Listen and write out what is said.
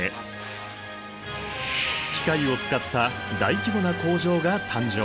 機械を使った大規模な工場が誕生。